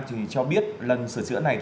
chỉ cho biết lần sửa chữa này